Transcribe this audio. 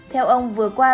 theo ông vừa qua